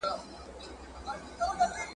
او ښکنځلو څخه ډکه وه ..